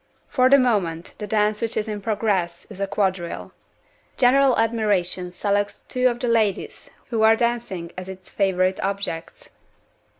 For the moment, the dance which is in progress is a quadrille. General admiration selects two of the ladies who are dancing as its favorite objects.